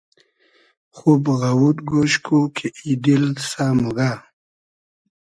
خوب غئوود گۉش کو کی ای دیل سۂ موگۂ